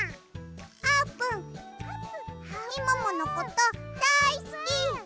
「あーぷんみもものことだいすき！」。